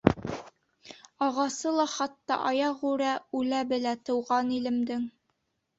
Ағасы ла хатта аяғүрә Үлә белә Тыуған илемдең...